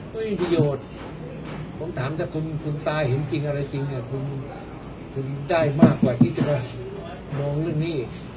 ไม่มีประโยชน์ผมถามถ้าคุณตาเห็นจริงอะไรจริงเนี่ยคุณได้มากกว่าที่จะมองเรื่องนี้